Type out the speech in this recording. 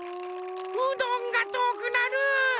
うどんがとおくなる。